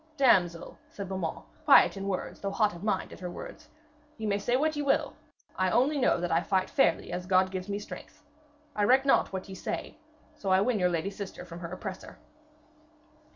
'Damsel,' said Beaumains, quiet in words though hot of mind at her words, 'ye may say what ye will. I only know that I fight fairly, as God gives me strength. I reck not what ye say, so I win your lady sister from her oppressor.'